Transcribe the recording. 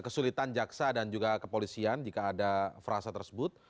kesulitan jaksa dan juga kepolisian jika ada frasa tersebut